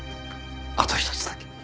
あとひとつだけ。